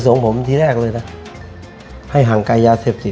คุณพ่อมีลูกทั้งหมด๑๐ปี